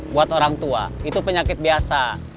buat orang tua itu penyakit biasa